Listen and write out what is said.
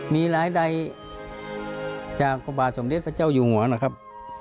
มีรายใดจากพระบาทสมเด็จพระเจ้าอยู่หัวนะครับ